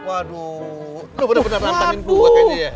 waduh lu bener bener rantengin gue kayak gini ya